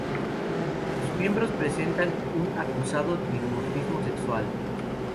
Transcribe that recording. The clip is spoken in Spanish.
Sus miembros presentan un acusado dimorfismo sexual.